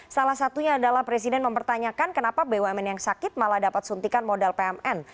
salah satunya adalah presiden mempertanyakan kenapa bumn yang sakit malah dapat suntikan modal pmn